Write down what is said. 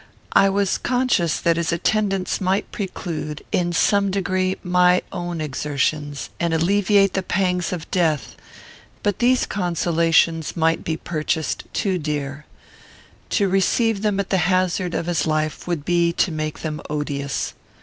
I was conscious that his attendance might preclude, in some degree, my own exertions, and alleviate the pangs of death; but these consolations might be purchased too dear. To receive them at the hazard of his life would be to make them odious.